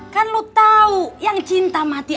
kan lu tau yang cinta mati